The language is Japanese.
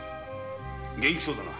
元気そうだな。